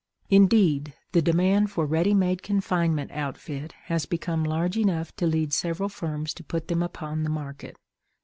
Indeed, the demand for a ready made confinement outfit has become large enough to lead several firms to put them upon the market.